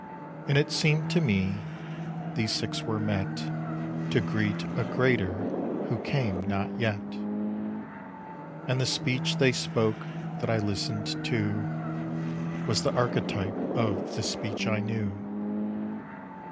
And it seemed to me these six were met To greet a greater who came not yet. And the speech they spoke, that I listened to, Was the archetype of the speech I knew.